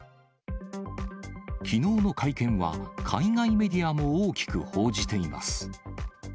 きのうの会見は海外メディアも大きく報じています。